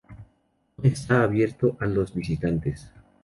No está abierto a los visitantes.